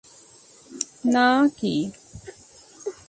না, কী?